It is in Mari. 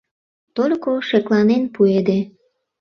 Только шекланен пуэде.